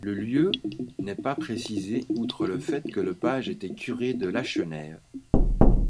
Le lieu n'était pas précisé outre le fait que Lepage était curé de Lachenaie.